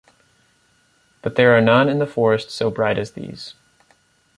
But there are none in the forest so bright as these.